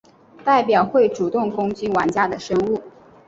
代表会主动攻击玩家的生物。